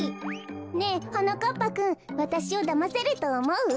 ねえはなかっぱくんわたしをだませるとおもう？